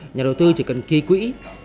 nhà đầu tư chỉ cần ký quỹ một mươi một mươi năm